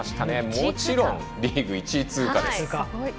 もちろん、リーグ１位通過です。